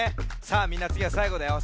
さあみんなつぎはさいごだよ。